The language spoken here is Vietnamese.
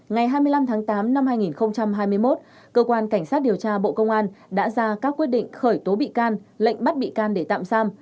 ngày hai mươi năm tháng tám năm hai nghìn hai mươi một cơ quan cảnh sát điều tra bộ công an đã ra các quyết định khởi tố bị can lệnh bắt bị can để tạm giam